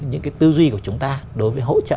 những cái tư duy của chúng ta đối với hỗ trợ